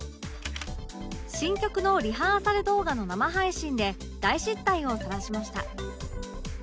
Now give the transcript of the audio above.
新曲のリハーサル動画の生配信で大失態をさらしました